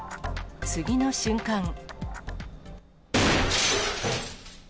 次の瞬間。